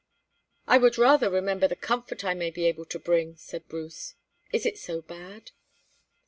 "I would rather remember the comfort I may be able to bring," said Bruce. "Is it so bad?"